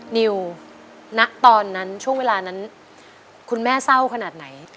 นิวณตอนนั้นช่วงเวลานั้นคุณแม่เศร้าขนาดไหน